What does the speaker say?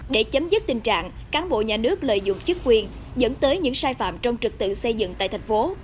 để chấm dứt tình trạng cán bộ nhà nước lợi dụng chức quyền dẫn tới những sai phạm trong trực tự xây dựng tại thành phố